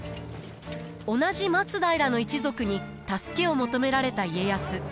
同じ松平の一族に助けを求められた家康。